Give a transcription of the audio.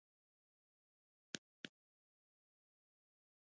د ژوندون ساه خپره شوه